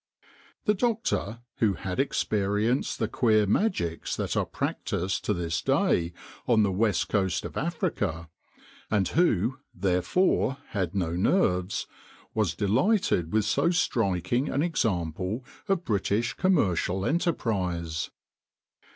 The doctor, who had experienced the queer magics that are practised to this day on the West Coast of Africa, and who, therefore, had no nerves, was delighted with 172 THE COFFIN MERCHANT so striking an example of British commercial enterprise.